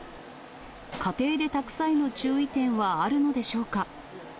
家庭で炊く際の注意点はあるのでしょうか。